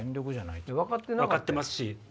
分かってますし。